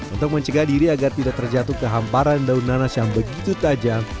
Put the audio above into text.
untuk mencegah diri agar tidak terjatuh ke hamparan daun nanas yang begitu tajam